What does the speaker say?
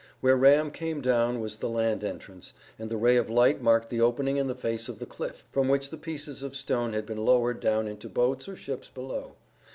Where Ram came down was the land entrance, and the ray of light marked the opening in the face of the cliff, from which the pieces of stone had been lowered down into boats or ships below.